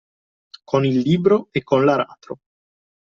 Con il libro e con l'aratro